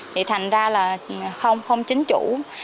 thì thành ra là không chính chủ